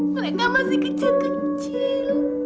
mereka masih kecil kecil